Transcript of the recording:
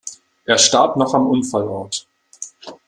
Er starb noch am Unfallort.